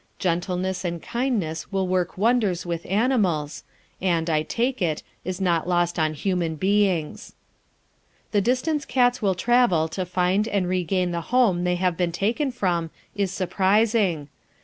Gentleness and kindness will work wonders with animals, and, I take it, is not lost on human beings. The distance cats will travel to find and regain the home they have been taken from is surprising.